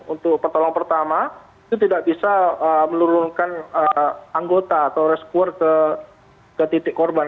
untuk pertolongan pertama itu tidak bisa menurunkan anggota atau rescuer ke titik korban